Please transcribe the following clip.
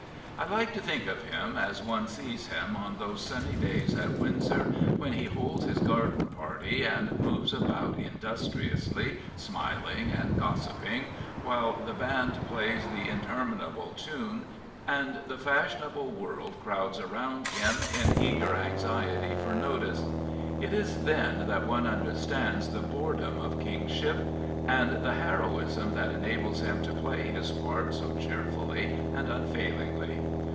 I like to think of him as one sees him on those sunny days at Windsor when he holds his garden party, and moves about industriously smiling and gossiping, while the band plays the interminable tune and the fashionable world crowds around him in *5 Prophets, Priests, and Kings eager anxiety for notice. It is then that one under stands the boredom of Kingship, and the heroism that enables him to play his part so cheerfully and unfailingly.